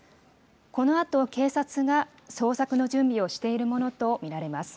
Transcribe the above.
このあと、警察が捜索の準備をしているものと見られます。